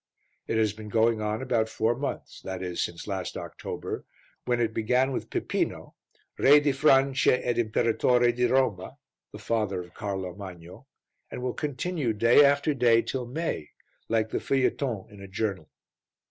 It has been going on about four months, that is, since last October, when it began with Pipino, Re di Francia ed Imperatore di Roma, the father of Carlo Magno, and it will continue day after day till May, like the feuilleton in a journal.